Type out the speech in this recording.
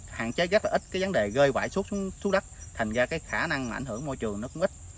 hạn chế rất ít vấn đề gây vãi xuống đất thành ra khả năng ảnh hưởng môi trường cũng ít